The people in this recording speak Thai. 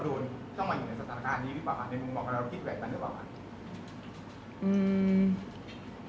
ในมุมบอกเราคิดแบบนั้นหรือเปล่า